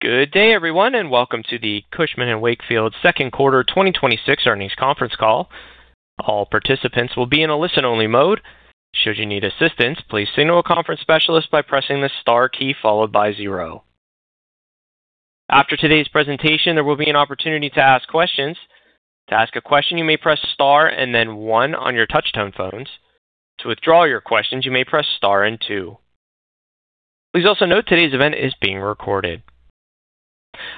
Good day, everyone, and welcome to the Cushman & Wakefield Second Quarter 2026 Earnings Conference Call. All participants will be in a listen-only mode. Should you need assistance, please signal a conference specialist by pressing the star followed by zero. After today's presentation, there will be an opportunity to ask questions. To ask a question, you may press star and then one on your touch tone phones. To withdraw your questions, you may press star and two. Please also note today's event is being recorded.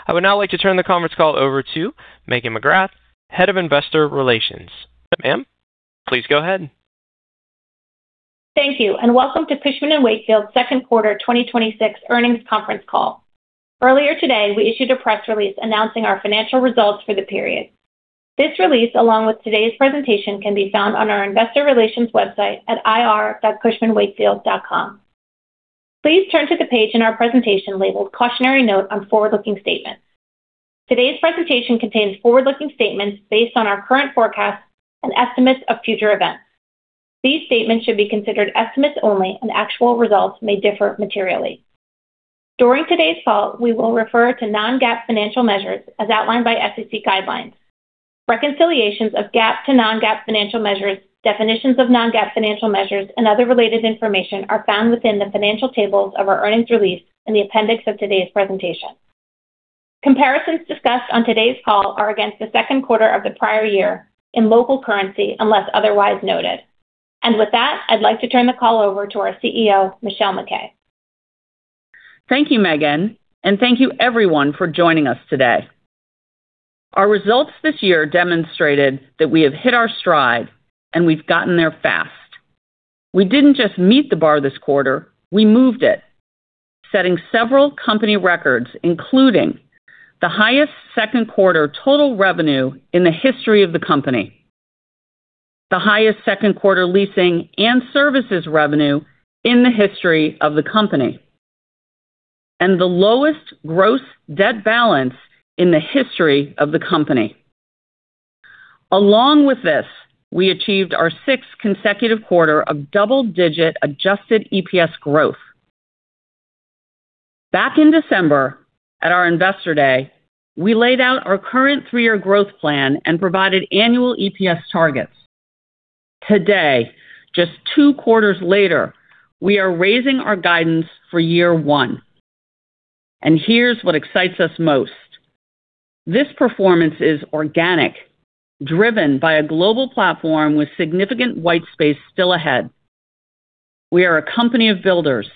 I would now like to turn the conference call over to Megan McGrath, Head of Investor Relations. Ma'am, please go ahead. Thank you, and welcome to Cushman & Wakefield second quarter 2026 earnings conference call. Earlier today, we issued a press release announcing our financial results for the period. This release, along with today's presentation, can be found on our investor relations website at ir.cushmanwakefield.com. Please turn to the page in our presentation labeled cautionary note on forward-looking statements. Today's presentation contains forward-looking statements based on our current forecasts and estimates of future events. These statements should be considered estimates only, and actual results may differ materially. During today's call, we will refer to non-GAAP financial measures as outlined by SEC guidelines. Reconciliations of GAAP to non-GAAP financial measures, definitions of non-GAAP financial measures and other related information are found within the financial tables of our earnings release in the appendix of today's presentation. Comparisons discussed on today's call are against the second quarter of the prior year in local currency unless otherwise noted. With that, I'd like to turn the call over to our CEO, Michelle MacKay. Thank you, Megan, and thank you everyone for joining us today. Our results this year demonstrated that we have hit our stride and we've gotten there fast. We didn't just meet the bar this quarter, we moved it, setting several company records, including the highest second quarter total revenue in the history of the company, the highest second quarter leasing and services revenue in the history of the company, and the lowest gross debt balance in the history of the company. Along with this, we achieved our 6th consecutive quarter of double-digit adjusted EPS growth. Back in December at our Investor Day, we laid out our current three-year growth plan and provided annual EPS targets. Today, just two quarters later, we are raising our guidance for year one. Here's what excites us most. This performance is organic, driven by a global platform with significant white space still ahead. We are a company of builders.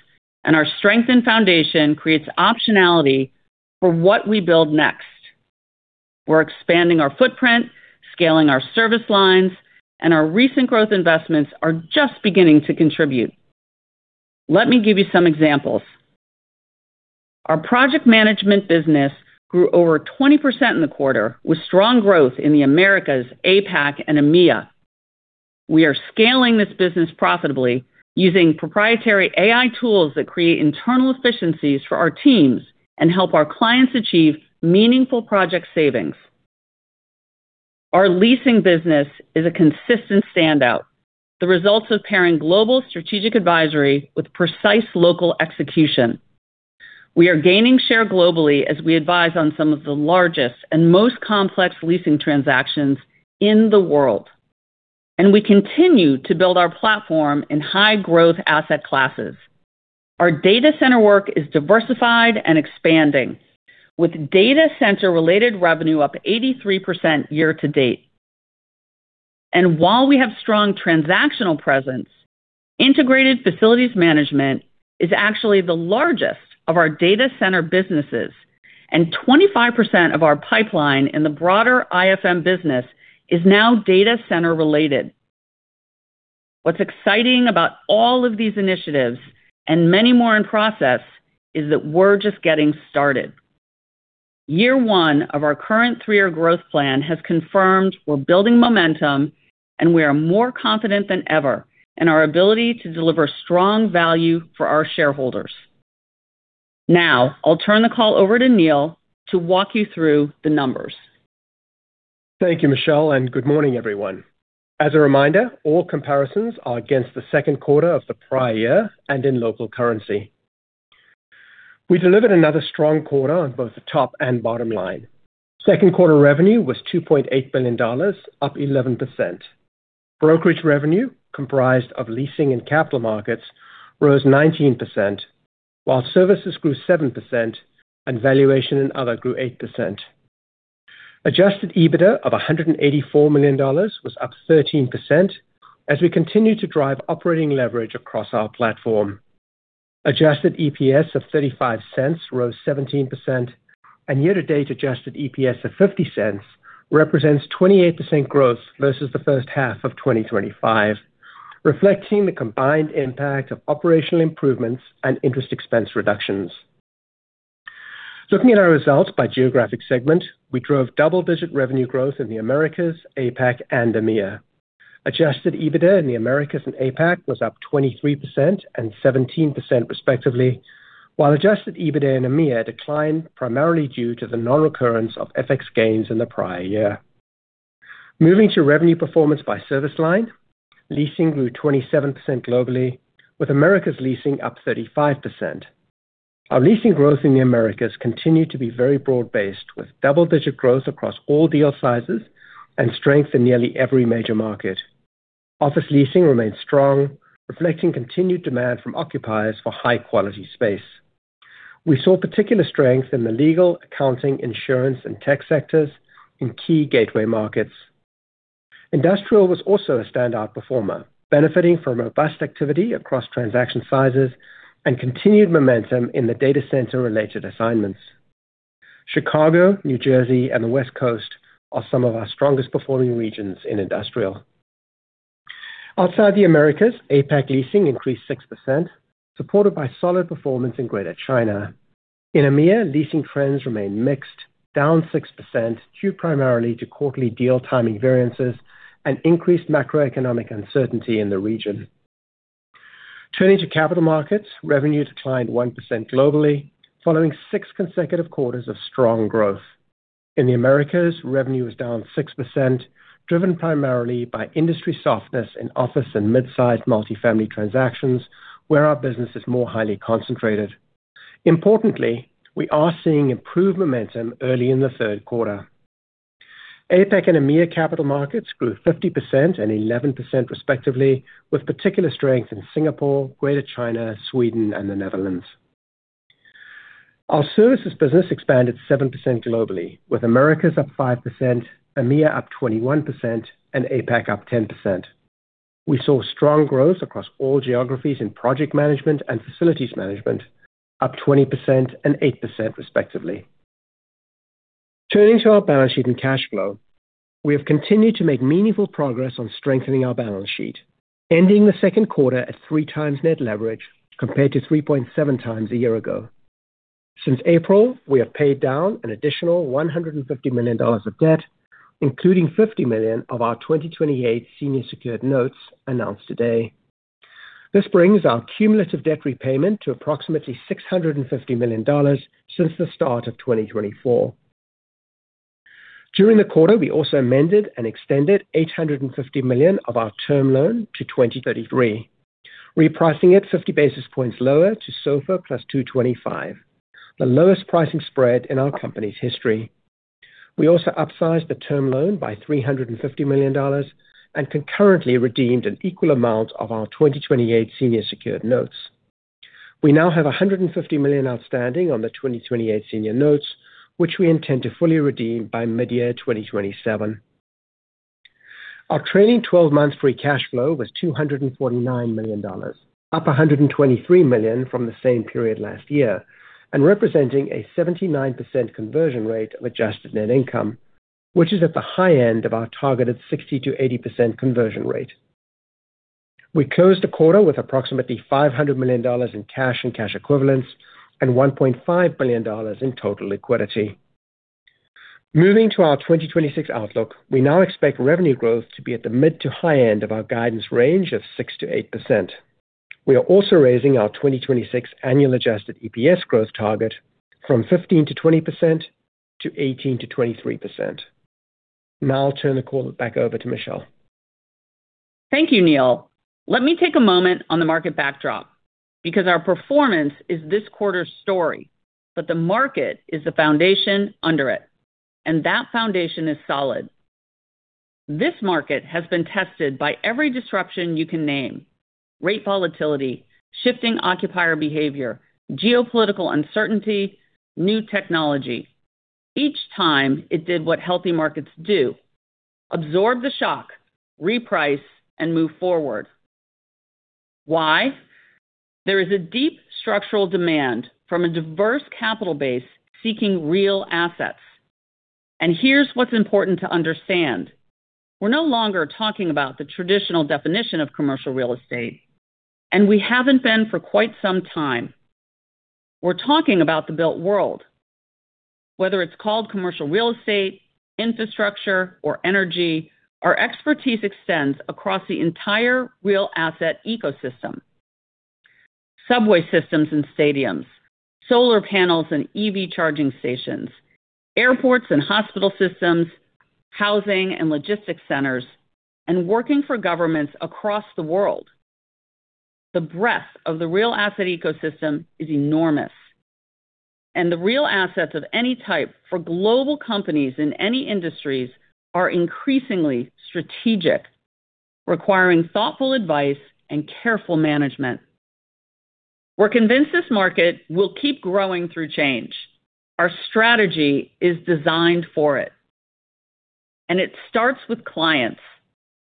Our strength and foundation creates optionality for what we build next. We're expanding our footprint, scaling our service lines. Our recent growth investments are just beginning to contribute. Let me give you some examples. Our project management business grew over 20% in the quarter, with strong growth in the Americas, APAC, and EMEA. We are scaling this business profitably using proprietary AI tools that create internal efficiencies for our teams and help our clients achieve meaningful project savings. Our leasing business is a consistent standout, the results of pairing global strategic advisory with precise local execution. We are gaining share globally as we advise on some of the largest and most complex leasing transactions in the world. We continue to build our platform in high growth asset classes. Our data center work is diversified and expanding, with data center related revenue up 83% year-to-date. While we have strong transactional presence, integrated facilities management is actually the largest of our data center businesses. 25% of our pipeline in the broader IFM business is now data center related. What's exciting about all of these initiatives and many more in process, is that we're just getting started. Year one of our current three-year growth plan has confirmed we're building momentum. We are more confident than ever in our ability to deliver strong value for our shareholders. Now, I'll turn the call over to Neil to walk you through the numbers. Thank you, Michelle. Good morning, everyone. As a reminder, all comparisons are against the second quarter of the prior year and in local currency. We delivered another strong quarter on both the top and bottom line. Second quarter revenue was $2.8 billion, up 11%. Brokerage revenue, comprised of leasing and capital markets, rose 19%, while services grew 7% and valuation and other grew 8%. Adjusted EBITDA of $184 million was up 13% as we continue to drive operating leverage across our platform. Adjusted EPS of $0.35 rose 17%. Year-to-date adjusted EPS of $0.50 represents 28% growth versus the first half of 2025, reflecting the combined impact of operational improvements and interest expense reductions. Looking at our results by geographic segment, we drove double digit revenue growth in the Americas, APAC, and EMEA. Adjusted EBITDA in the Americas and APAC was up 23% and 17% respectively. While adjusted EBITDA in EMEA declined primarily due to the non-recurrence of FX gains in the prior year. Moving to revenue performance by service line, leasing grew 27% globally, with Americas leasing up 35%. Our leasing growth in the Americas continued to be very broad-based, with double-digit growth across all deal sizes and strength in nearly every major market. Office leasing remained strong, reflecting continued demand from occupiers for high-quality space. We saw particular strength in the legal, accounting, insurance and tech sectors in key gateway markets. Industrial was also a standout performer, benefiting from robust activity across transaction sizes and continued momentum in the data center-related assignments. Chicago, New Jersey, and the West Coast are some of our strongest performing regions in industrial. Outside the Americas, APAC leasing increased 6%, supported by solid performance in Greater China. In EMEA, leasing trends remained mixed, down 6%, due primarily to quarterly deal timing variances and increased macroeconomic uncertainty in the region. Turning to capital markets, revenue declined 1% globally, following six consecutive quarters of strong growth. In the Americas, revenue was down 6%, driven primarily by industry softness in office and midsize multifamily transactions, where our business is more highly concentrated. Importantly, we are seeing improved momentum early in the third quarter. APAC and EMEA capital markets grew 50% and 11% respectively, with particular strength in Singapore, Greater China, Sweden and the Netherlands. Our services business expanded 7% globally, with Americas up 5%, EMEA up 21%, and APAC up 10%. We saw strong growth across all geographies in project management and facilities management, up 20% and 8% respectively. Turning to our balance sheet and cash flow, we have continued to make meaningful progress on strengthening our balance sheet, ending the second quarter at three times net leverage compared to 3.7x a year ago. Since April, we have paid down an additional $150 million of debt, including $50 million of our 2028 senior secured notes announced today. This brings our cumulative debt repayment to approximately $650 million since the start of 2024. During the quarter, we also amended and extended $850 million of our term loan to 2033, repricing it 50 basis points lower to SOFR plus 225, the lowest pricing spread in our company's history. We also upsized the term loan by $350 million and concurrently redeemed an equal amount of our 2028 senior secured notes. We now have $150 million outstanding on the 2028 senior notes, which we intend to fully redeem by mid-year 2027. Our trailing 12-month free cash flow was $249 million, up $123 million from the same period last year and representing a 79% conversion rate of adjusted net income, which is at the high end of our targeted 60%-80% conversion rate. We closed the quarter with approximately $500 million in cash and cash equivalents and $1.5 billion in total liquidity. Moving to our 2026 outlook, we now expect revenue growth to be at the mid to high end of our guidance range of 6%-8%. We are also raising our 2026 annual adjusted EPS growth target from 15%-20% to 18%-23%. Now I'll turn the call back over to Michelle. Thank you, Neil. Let me take a moment on the market backdrop, because our performance is this quarter's story, but the market is the foundation under it, and that foundation is solid. This market has been tested by every disruption you can name: rate volatility, shifting occupier behavior, geopolitical uncertainty, new technology. Each time, it did what healthy markets do, absorb the shock, reprice, and move forward. Why? There is a deep structural demand from a diverse capital base seeking real assets. Here's what's important to understand. We're no longer talking about the traditional definition of commercial real estate, and we haven't been for quite some time. We're talking about the built world. Whether it's called commercial real estate, infrastructure, or energy, our expertise extends across the entire real asset ecosystem. Subway systems and stadiums, solar panels and EV charging stations, airports and hospital systems, housing and logistics centers, working for governments across the world. The breadth of the real asset ecosystem is enormous. The real assets of any type for global companies in any industries are increasingly strategic, requiring thoughtful advice and careful management. We're convinced this market will keep growing through change. Our strategy is designed for it, and it starts with clients.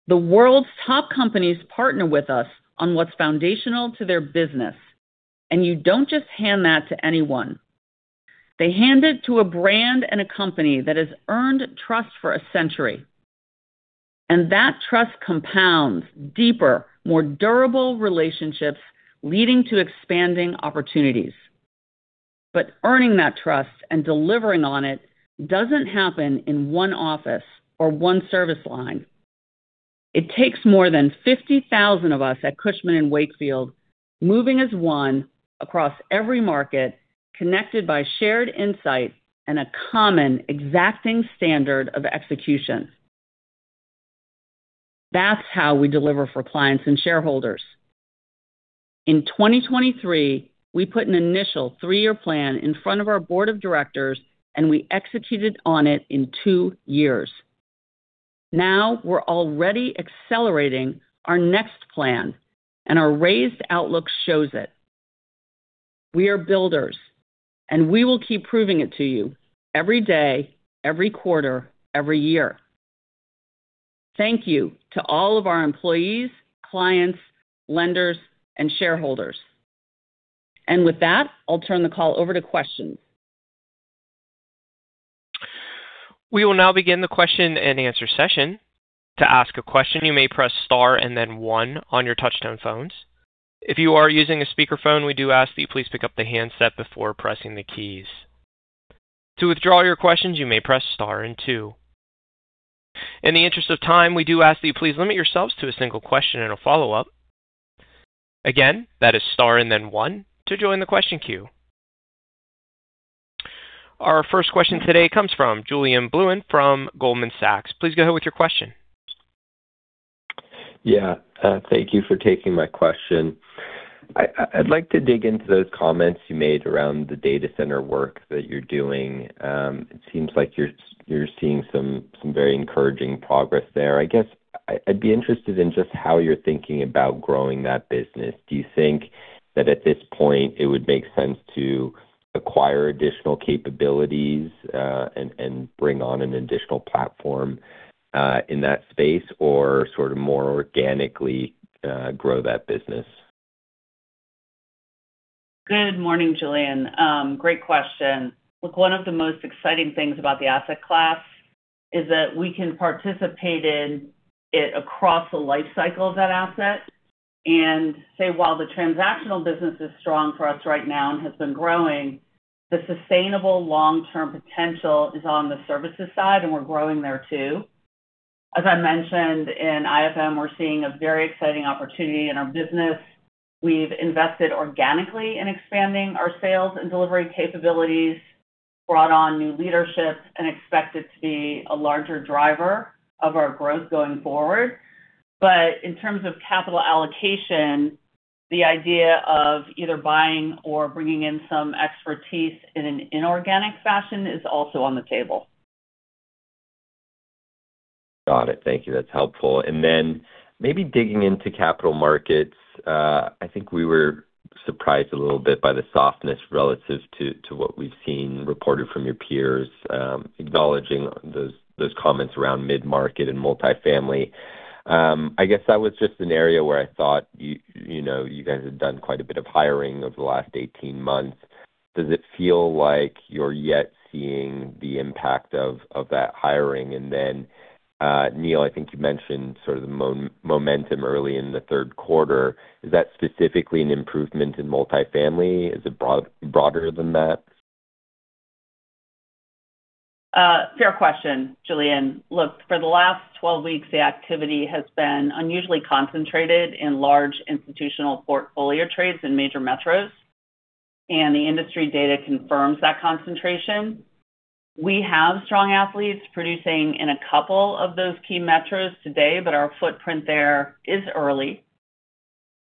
The world's top companies partner with us on what's foundational to their business. You don't just hand that to anyone. They hand it to a brand and a company that has earned trust for a century. That trust compounds deeper, more durable relationships, leading to expanding opportunities. Earning that trust and delivering on it doesn't happen in one office or one service line. It takes more than 50,000 of us at Cushman & Wakefield moving as one across every market, connected by shared insight and a common exacting standard of execution. That's how we deliver for clients and shareholders. In 2023, we put an initial three-year plan in front of our Board of Directors. We executed on it in two years. We're already accelerating our next plan. Our raised outlook shows it. We are builders. We will keep proving it to you every day, every quarter, every year. Thank you to all of our employees, clients, lenders, and shareholders. With that, I'll turn the call over to questions. We will now begin the question and answer session. To ask a question, you may press star and then one on your touch-tone phones. If you are using a speakerphone, we do ask that you please pick up the handset before pressing the keys. To withdraw your questions, you may press star and two. In the interest of time, we do ask that you please limit yourselves to a single question and a follow-up. Again, that is star and then one to join the question queue. Our first question today comes from Julien Blouin from Goldman Sachs. Please go ahead with your question. Yeah. Thank you for taking my question. I'd like to dig into those comments you made around the data center work that you're doing. It seems like you're seeing some very encouraging progress there. I guess I'd be interested in just how you're thinking about growing that business. Do you think that at this point it would make sense to acquire additional capabilities and bring on an additional platform in that space or sort of more organically grow that business? Good morning, Julien. Great question. Look, one of the most exciting things about the asset class is that we can participate in it across the life cycle of that asset and say, while the transactional business is strong for us right now and has been growing, the sustainable long-term potential is on the services side, and we're growing there too. As I mentioned, in IFM, we're seeing a very exciting opportunity in our business. We've invested organically in expanding our sales and delivery capabilities, brought on new leadership, and expect it to be a larger driver of our growth going forward. In terms of capital allocation, the idea of either buying or bringing in some expertise in an inorganic fashion is also on the table. Got it. Thank you. That's helpful. Maybe digging into capital markets, I think we were surprised a little bit by the softness relative to what we've seen reported from your peers, acknowledging those comments around mid-market and multifamily. I guess that was just an area where I thought you guys had done quite a bit of hiring over the last 18 months. Does it feel like you're yet seeing the impact of that hiring? Neil, I think you mentioned sort of the momentum early in the third quarter. Is that specifically an improvement in multifamily? Is it broader than that? Fair question, Julien. Look, for the last 12 weeks, the activity has been unusually concentrated in large institutional portfolio trades in major metros. The industry data confirms that concentration. We have strong athletes producing in a couple of those key metros today, but our footprint there is early.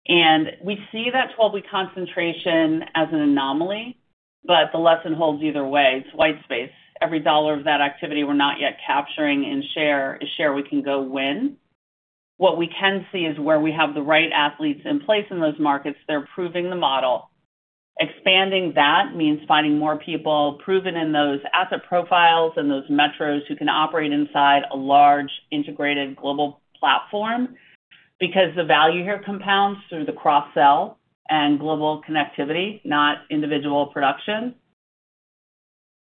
We see that 12-week concentration as an anomaly. The lesson holds either way. It's white space. Every dollar of that activity we're not yet capturing in share is share we can go win. What we can see is where we have the right athletes in place in those markets, they're proving the model. Expanding that means finding more people proven in those asset profiles and those metros who can operate inside a large integrated global platform because the value here compounds through the cross-sell and global connectivity, not individual production.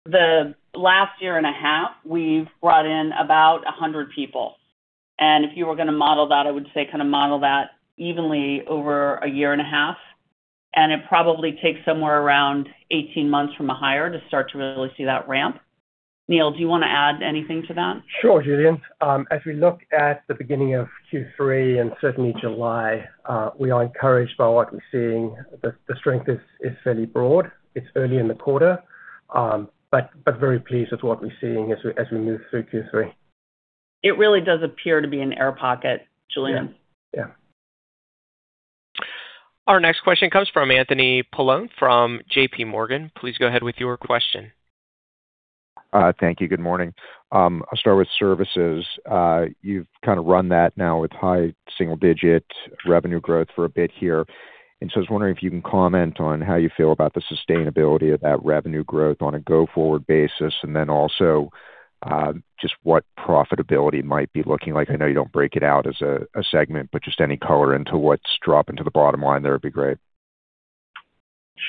The last year and a half, we've brought in about 100 people. If you were going to model that, I would say kind of model that evenly over a year and a half, it probably takes somewhere around 18 months from a hire to start to really see that ramp. Neil, do you want to add anything to that? Sure, Julien. As we look at the beginning of Q3 and certainly July, we are encouraged by what we're seeing. The strength is fairly broad. It's early in the quarter, but very pleased with what we're seeing as we move through Q3. It really does appear to be an air pocket, Julien. Yeah. Our next question comes from Anthony Paolone from JPMorgan. Please go ahead with your question. Thank you. Good morning. I'll start with services. You've kind of run that now with high single digit revenue growth for a bit here. So I was wondering if you can comment on how you feel about the sustainability of that revenue growth on a go-forward basis, and then also just what profitability might be looking like. I know you don't break it out as a segment, but just any color into what's dropping to the bottom line there would be great.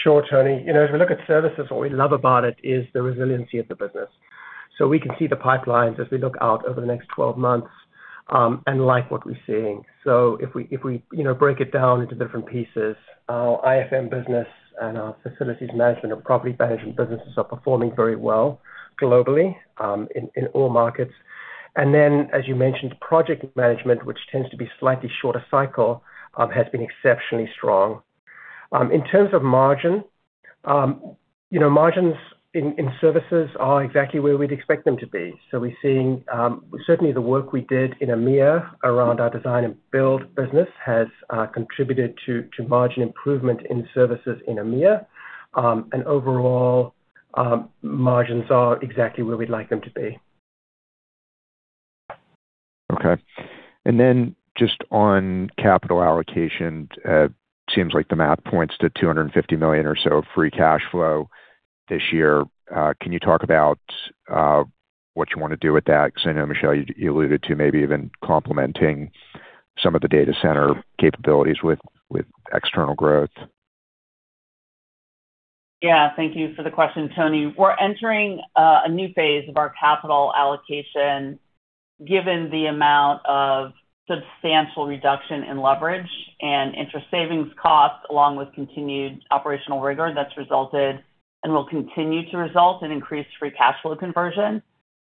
Sure, Tony. As we look at Services, what we love about it is the resiliency of the business. We can see the pipelines as we look out over the next 12 months and like what we're seeing. If we break it down into different pieces, our IFM business and our facilities management and property management businesses are performing very well globally in all markets. Then, as you mentioned, project management, which tends to be slightly shorter cycle, has been exceptionally strong. In terms of margin, margins in Services are exactly where we'd expect them to be. We're seeing certainly the work we did in EMEA around our design and build business has contributed to margin improvement in Services in EMEA. Overall, margins are exactly where we'd like them to be. Okay. Then just on capital allocation, it seems like the math points to $250 million or so of free cash flow this year. Can you talk about what you want to do with that? Because I know, Michelle, you alluded to maybe even complementing some of the data center capabilities with external growth. Yeah. Thank you for the question, Tony. We're entering a new phase of our capital allocation given the amount of substantial reduction in leverage and interest savings cost, along with continued operational rigor that's resulted and will continue to result in increased free cash flow conversion.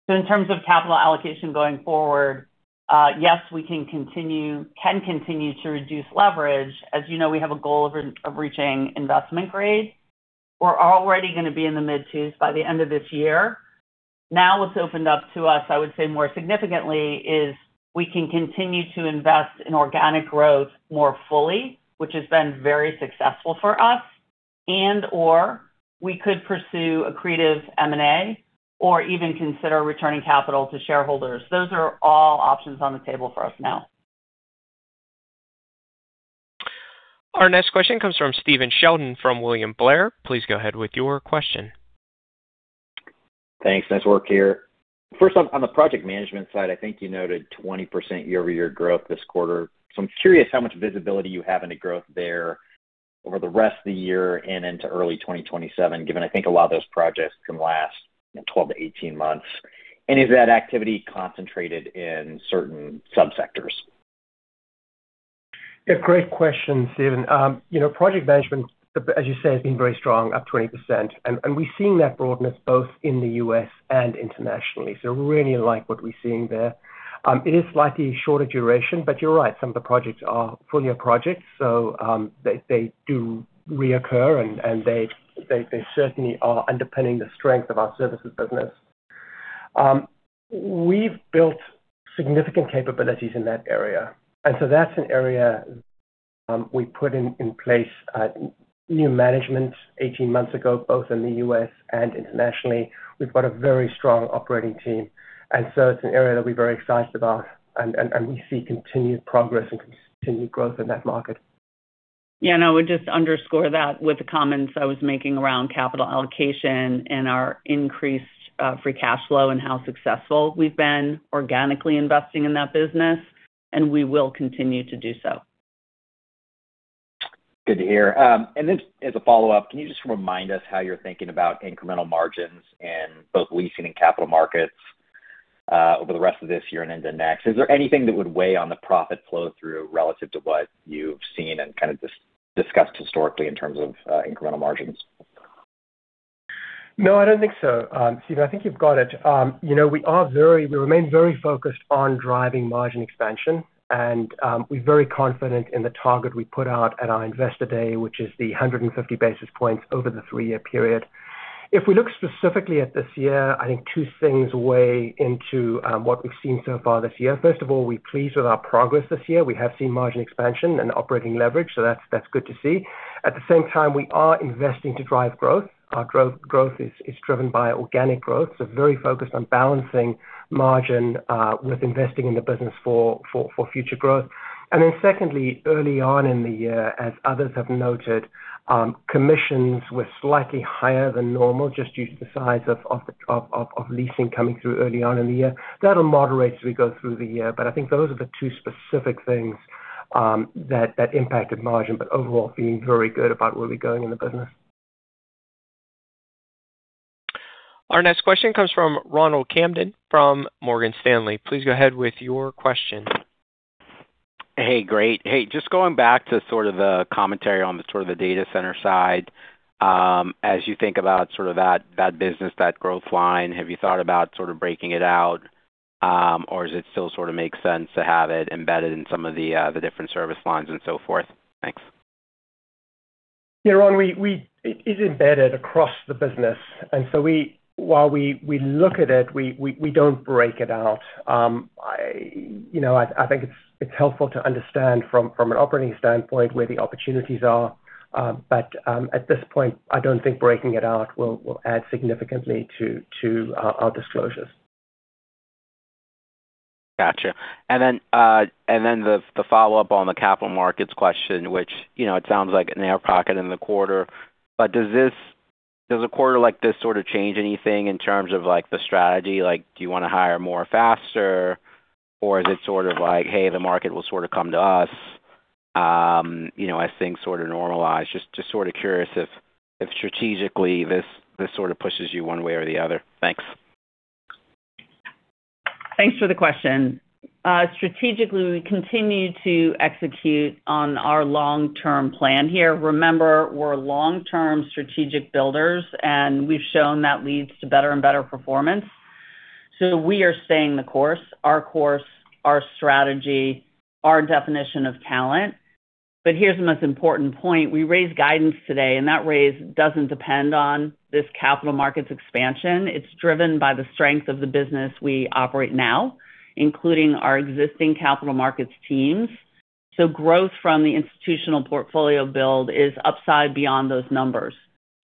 In terms of capital allocation going forward, yes, we can continue to reduce leverage. As you know, we have a goal of reaching investment grade. We're already going to be in the mid-teens by the end of this year. What's opened up to us, I would say more significantly, is we can continue to invest in organic growth more fully, which has been very successful for us, and/or we could pursue accretive M&A or even consider returning capital to shareholders. Those are all options on the table for us now. Our next question comes from Stephen Sheldon from William Blair. Please go ahead with your question. Thanks. Nice work here. First off, on the project management side, I think you noted 20% year-over-year growth this quarter. I'm curious how much visibility you have into growth there over the rest of the year and into early 2027, given I think a lot of those projects can last 12-18 months. Is that activity concentrated in certain sub-sectors? Yeah, great question, Stephen. Project management, as you say, has been very strong, up 20%, and we're seeing that broadness both in the U.S. and internationally. We really like what we're seeing there. It is slightly shorter duration, but you're right, some of the projects are full-year projects, so they do reoccur, and they certainly are underpinning the strength of our services business. We've built significant capabilities in that area. That's an area we put in place new management 18 months ago, both in the U.S. and internationally. We've got a very strong operating team. It's an area that we're very excited about and we see continued progress and continued growth in that market. I would just underscore that with the comments I was making around capital allocation and our increased free cash flow and how successful we've been organically investing in that business, and we will continue to do so. Good to hear. As a follow-up, can you just remind us how you're thinking about incremental margins in both leasing and capital markets over the rest of this year and into next? Is there anything that would weigh on the profit flow through relative to what you've seen and kind of discussed historically in terms of incremental margins? No, I don't think so. Stephen, I think you've got it. We remain very focused on driving margin expansion and we're very confident in the target we put out at our Investor Day, which is the 150 basis points over the three-year period. If we look specifically at this year, I think two things weigh into what we've seen so far this year. First of all, we're pleased with our progress this year. We have seen margin expansion and operating leverage, so that's good to see. At the same time, we are investing to drive growth. Our growth is driven by organic growth, so very focused on balancing margin with investing in the business for future growth. Secondly, early on in the year, as others have noted, commissions were slightly higher than normal, just due to the size of leasing coming through early on in the year. That'll moderate as we go through the year. I think those are the two specific things that impacted margin, overall, feeling very good about where we're going in the business. Our next question comes from Ronald Kamdem from Morgan Stanley. Please go ahead with your question. Hey, great. Hey, just going back to sort of the commentary on the data center side. As you think about that business, that growth line, have you thought about breaking it out? Does it still sort of make sense to have it embedded in some of the different service lines and so forth? Thanks. Yeah, Ron. It is embedded across the business. While we look at it, we don't break it out. I think it's helpful to understand from an operating standpoint where the opportunities are. At this point, I don't think breaking it out will add significantly to our disclosures. Got you. The follow-up on the capital markets question, which it sounds like an air pocket in the quarter. Does a quarter like this sort of change anything in terms of the strategy? Do you want to hire more faster? Is it sort of like, hey, the market will sort of come to us as things sort of normalize? Just sort of curious if strategically, this sort of pushes you one way or the other. Thanks. Thanks for the question. Strategically, we continue to execute on our long-term plan here. Remember, we're long-term strategic builders. We've shown that leads to better and better performance. We are staying the course, our course, our strategy, our definition of talent. Here's the most important point. We raised guidance today. That raise doesn't depend on this capital markets expansion. It's driven by the strength of the business we operate now, including our existing capital markets teams. Growth from the institutional portfolio build is upside beyond those numbers,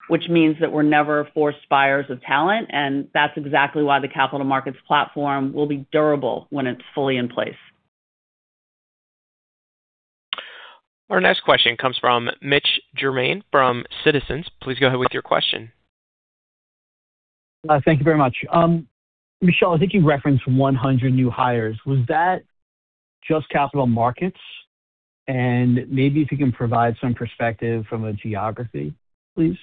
which means that we're never forced buyers of talent. That's exactly why the capital markets platform will be durable when it's fully in place. Our next question comes from Mitch Germain from Citizens. Please go ahead with your question. Thank you very much. Michelle, I think you referenced 100 new hires. Was that just capital markets? Maybe if you can provide some perspective from a geography, please.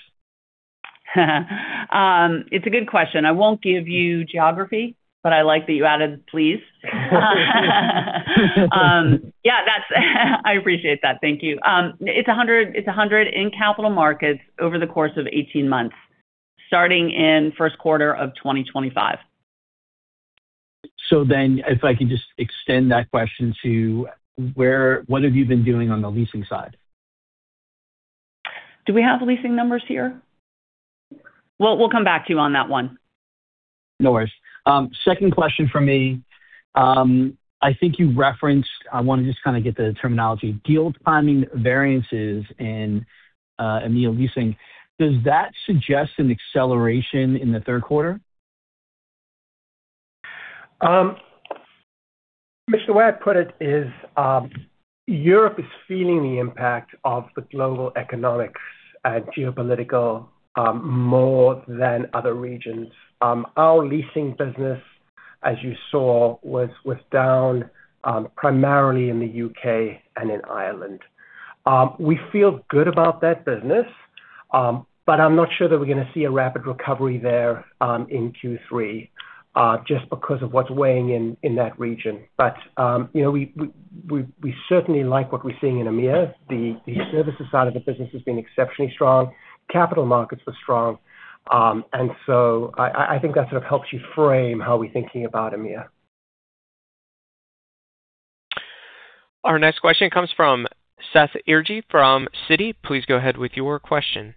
It's a good question. I won't give you geography, but I like that you added "please." Yeah. I appreciate that. Thank you. It's 100 in capital markets over the course of 18 months, starting in the first quarter of 2025. If I could just extend that question to what have you been doing on the leasing side? Do we have the leasing numbers here? We'll come back to you on that one. No worries. Second question from me. I think you referenced, I want to just get the terminology, deal timing variances in EMEA leasing. Does that suggest an acceleration in the third quarter? Mitch, the way I put it is Europe is feeling the impact of the global economics and geopolitical more than other regions. Our leasing business, as you saw, was down primarily in the U.K. and in Ireland. We feel good about that business. I'm not sure that we're going to see a rapid recovery there in Q3, just because of what's weighing in that region. We certainly like what we're seeing in EMEA. The services side of the business has been exceptionally strong. Capital markets were strong. I think that sort of helps you frame how we're thinking about EMEA. Our next question comes from Seth Bergey from Citi. Please go ahead with your question.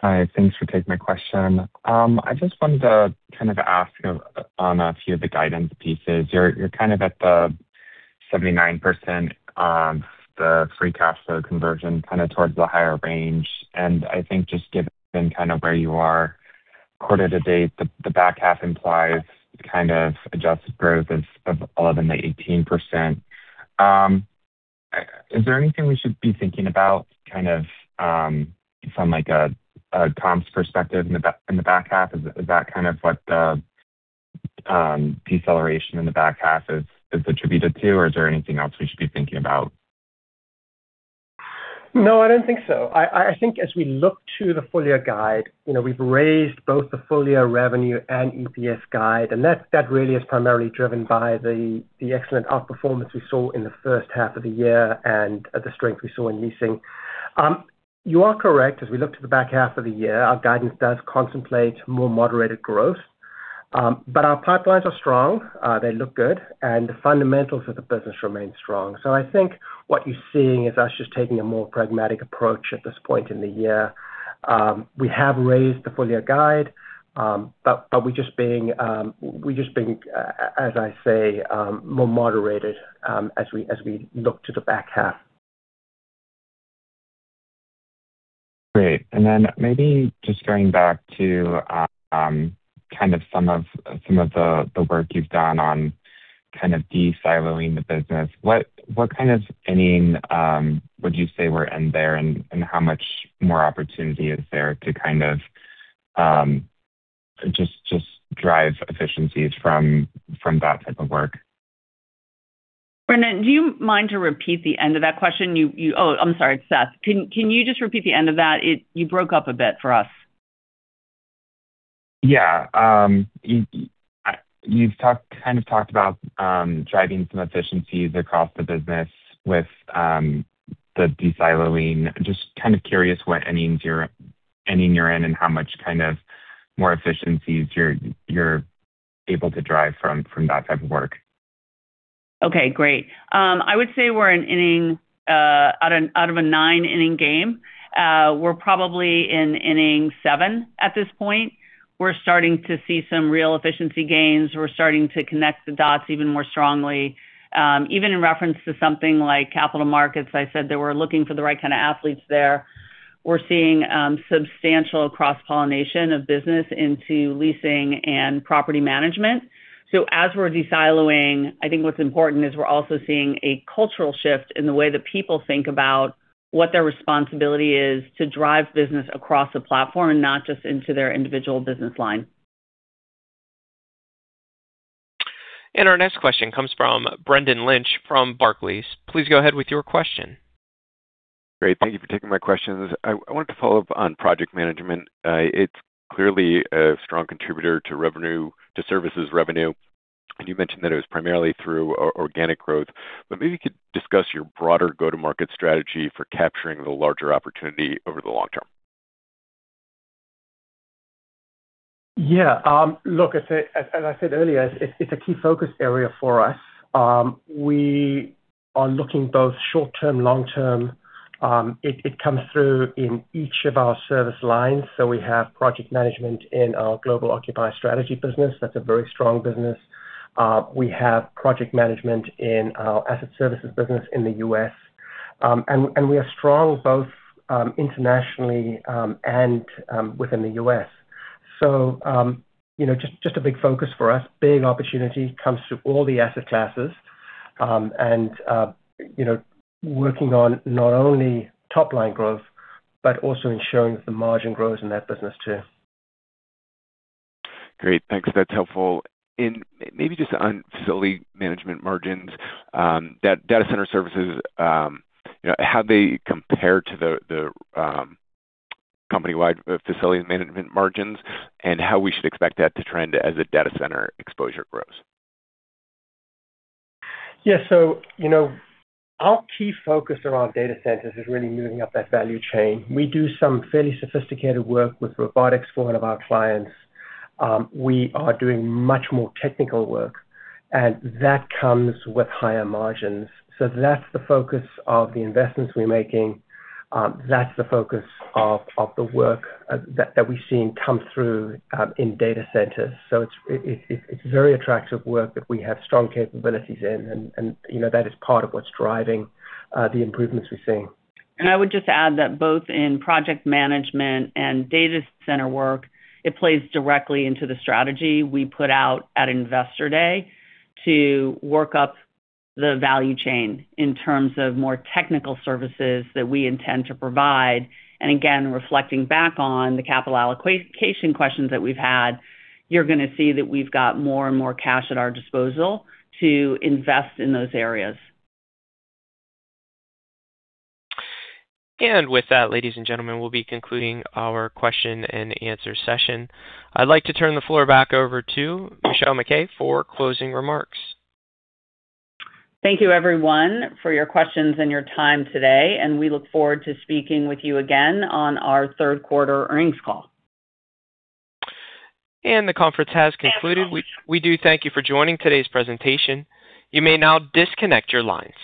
Hi. Thanks for taking my question. I just wanted to kind of ask on a few of the guidance pieces. You're kind of at the 79% of the free cash flow conversion, kind of towards the higher range. I think just given kind of where you are quarter to date, the back half implies kind of adjusted growth of 11%-18%. Is there anything we should be thinking about kind of from a comps perspective in the back half? Is that kind of what the deceleration in the back half is attributed to, or is there anything else we should be thinking about? No, I don't think so. I think as we look to the full year guide, we've raised both the full year revenue and EPS guide, and that really is primarily driven by the excellent outperformance we saw in the first half of the year and the strength we saw in leasing. You are correct. As we look to the back half of the year, our guidance does contemplate more moderated growth. Our pipelines are strong. They look good, and the fundamentals of the business remain strong. I think what you're seeing is us just taking a more pragmatic approach at this point in the year. We have raised the full year guide. We're just being, as I say, more moderated as we look to the back half. Great. Maybe just going back to kind of some of the work you've done on de-siloing the business. What kind of inning would you say we're in there, and how much more opportunity is there to kind of just drive efficiencies from that type of work? Brendan, do you mind to repeat the end of that question? I'm sorry, Seth. Can you just repeat the end of that? You broke up a bit for us. Yeah. You've kind of talked about driving some efficiencies across the business with the de-siloing. Just kind of curious what inning you're in and how much kind of more efficiencies you're able to drive from that type of work. Okay, great. I would say we're in inning. Out of a nine-inning game, we're probably in inning seven at this point. We're starting to see some real efficiency gains. We're starting to connect the dots even more strongly. Even in reference to something like capital markets, I said that we're looking for the right kind of athletes there. We're seeing substantial cross-pollination of business into leasing and property management. As we're de-siloing, I think what's important is we're also seeing a cultural shift in the way that people think about what their responsibility is to drive business across the platform and not just into their individual business line. Our next question comes from Brendan Lynch from Barclays. Please go ahead with your question. Great. Thank you for taking my questions. I wanted to follow up on project management. It's clearly a strong contributor to services revenue. You mentioned that it was primarily through organic growth, maybe you could discuss your broader go-to-market strategy for capturing the larger opportunity over the long term. Look, as I said earlier, it's a key focus area for us. We are looking both short-term, long-term. It comes through in each of our service lines. We have project management in our Global Occupier Services business. That's a very strong business. We have project management in our Asset Services business in the U.S. We are strong both internationally and within the U.S. Just a big focus for us. Big opportunity comes through all the asset classes. Working on not only top-line growth, but also ensuring that the margin grows in that business, too. Great. Thanks. That's helpful. Maybe just on facilities management margins, data center services, how they compare to the company-wide facilities management margins and how we should expect that to trend as the data center exposure grows. Yeah. Our key focus around data centers is really moving up that value chain. We do some fairly sophisticated work with robotics for one of our clients. We are doing much more technical work, and that comes with higher margins. That's the focus of the investments we're making. That's the focus of the work that we've seen come through in data centers. It's very attractive work that we have strong capabilities in, and that is part of what's driving the improvements we're seeing. I would just add that both in project management and data center work, it plays directly into the strategy we put out at Investor Day to work up the value chain in terms of more technical services that we intend to provide. Again, reflecting back on the capital allocation questions that we've had, you're going to see that we've got more and more cash at our disposal to invest in those areas. With that, ladies and gentlemen, we'll be concluding our question and answer session. I'd like to turn the floor back over to Michelle MacKay for closing remarks. Thank you, everyone, for your questions and your time today, and we look forward to speaking with you again on our third quarter earnings call. The conference has concluded. We do thank you for joining today's presentation. You may now disconnect your lines.